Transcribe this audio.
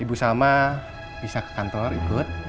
ibu salma bisa ke kantor ikut